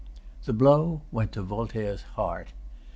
The blow went to Voltaire's heart.